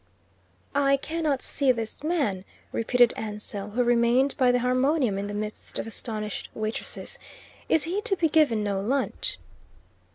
"I cannot see this man," repeated Ansell, who remained by the harmonium in the midst of astonished waitresses. "Is he to be given no lunch?"